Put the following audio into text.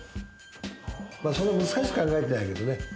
そんな難しく考えてないけれどもね。